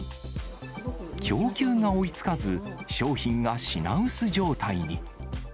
供給が追いつかず、商品が品薄状態に。